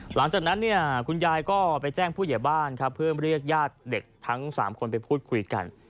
หลังจากนั้นคุณยายก็ไปแจ้งผู้เหยียบ้านเพื่อเรียกยาดเด็กทั้งสามคนไปพูดคุยกัน